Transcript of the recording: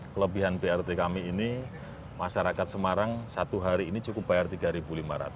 kelebihan brt kami ini masyarakat semarang satu hari ini cukup bayar rp tiga lima ratus